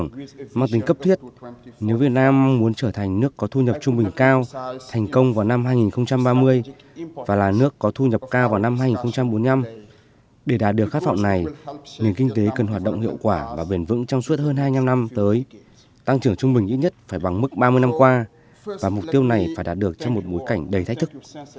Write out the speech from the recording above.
nếu việt nam muốn trở thành nước có thu nhập trung bình cao thành công vào năm hai nghìn ba mươi và là nước có thu nhập cao vào năm hai nghìn bốn mươi năm để đạt được khát vọng này nền kinh tế cần hoạt động hiệu quả và bền vững trong suốt hơn hai năm tới tăng trưởng trung bình nhất phải bằng mức ba mươi năm qua và mục tiêu này phải đạt được trong một bối cảnh đầy thách thức